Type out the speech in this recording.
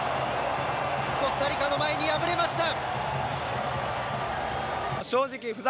コスタリカの前に敗れました。